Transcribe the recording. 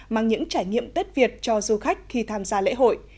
mang những trải nghiệm tết việt cho du khách khi tham gia lễ hội